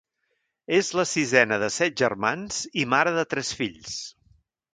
És la sisena de set germans i mare de tres fills.